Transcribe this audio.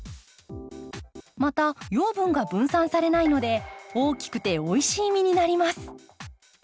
また養分が分散されないので大きくておいしい実になります。